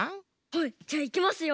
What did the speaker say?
はいじゃあいきますよ。